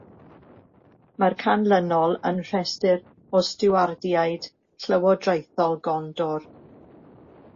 Mae'r canlynol yn rhestr o Stiwardiaid Llywodraethol Gondor.